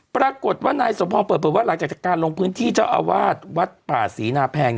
ปรากฏว่านายสมพงษเปิดเผยว่าหลังจากการลงพื้นที่เจ้าอาวาสวัดป่าศรีนาแพง